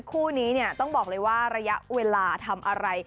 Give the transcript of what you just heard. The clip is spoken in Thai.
คู่นี้เนี่ยต้องบอกเลยว่าระยะเวลาทำอะไร